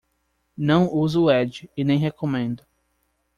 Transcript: Não uso o Edge, e nem recomendo.